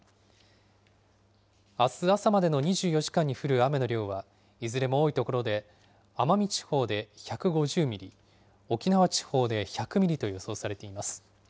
あす朝までの２４時間に降る雨の量は、いずれも多い所で、奄美地方で１５０ミリ、沖縄地方で１００ミリと予想されています。